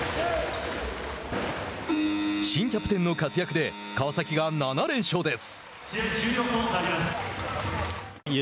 新キャプテンの活躍で川崎が７連勝です。